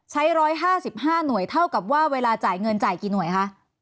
๑๕๕หน่วยเท่ากับว่าเวลาจ่ายเงินจ่ายกี่หน่วยคะ